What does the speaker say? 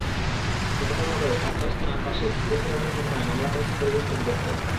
চট্টগ্রাম নগরের পাঁচলাইশ থানার পাশে পুকুর ভরাটের ঘটনায় মামলা করেছে পরিবেশ অধিদপ্তর।